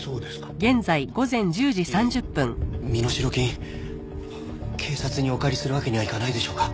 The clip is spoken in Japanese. こういう時身代金警察にお借りするわけにはいかないでしょうか？